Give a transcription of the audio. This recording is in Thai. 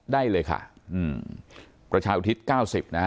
ได้เลยค่ะอืมประชาอุทิศ๙๐